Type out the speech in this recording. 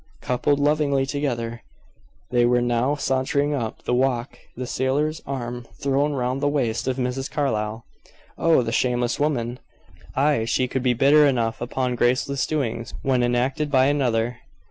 Coupled lovingly together, they were now sauntering up the walk, the sailor's arm thrown round the waist of Mrs. Carlyle. "Oh! The shameless woman!" Ay; she could be bitter enough upon graceless doings when enacted by another.